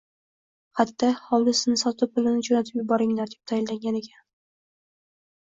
xatda “Hovlisini sotib, pulini jo’natib yuboringlar” deb tayinlagan ekan.